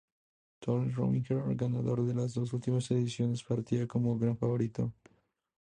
Tony Rominger, ganador de las dos últimas ediciones, partía como gran favorito.